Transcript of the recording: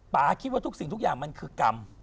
คิดว่าทุกสิ่งทุกอย่างมันคือกรรม